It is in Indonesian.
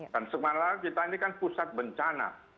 dan sebenarnya kita ini kan pusat bencana